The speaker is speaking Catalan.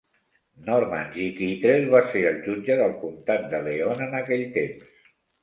Norman G. Kittrell va ser el jutge del comtat de Leon en aquells temps.